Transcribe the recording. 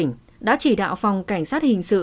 công an tỉnh đã chỉ đạo phòng cảnh sát hình sự